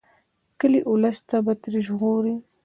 کلي ولس به ترې ژغوري.